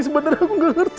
sebenarnya aku enggak ngerti